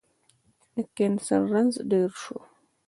د کېنسر رنځ ډير سو